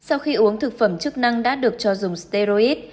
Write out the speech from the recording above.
sau khi uống thực phẩm chức năng đã được cho dùng sterid